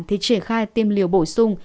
thì trể khai tiêm liều bổ sung